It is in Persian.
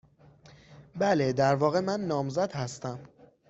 بله. در واقع، من نامزد هستم.